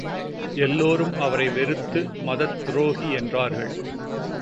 எல்லாரும் அவரை வெறுத்து மதத் துரோகி என்றார்கள்.